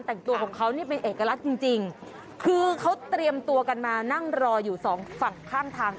แต่งตัวของเขานี่เป็นเอกลักษณ์จริงจริงคือเขาเตรียมตัวกันมานั่งรออยู่สองฝั่งข้างทาง